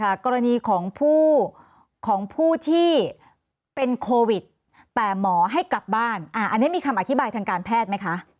อันนี้มีคำอธิบายทางการแพทย์ไหมคะ